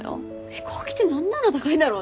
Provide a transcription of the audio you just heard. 飛行機って何であんな高いんだろうね。